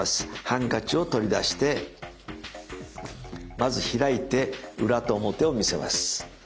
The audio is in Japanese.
ハンカチを取り出してまず開いて裏と表を見せます。